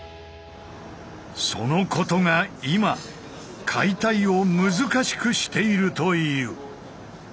そのことが今解体を難しくしているという。